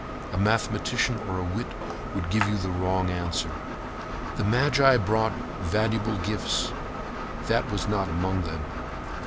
A mathematician or a wit would give you the wrong answer. The magi brought valuable gifts, but that was not among them.